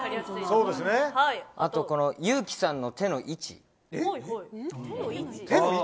あと裕貴さんの手の位置。